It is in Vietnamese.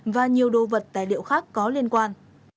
và nhiều đồ vật tài liệu khác có liên quan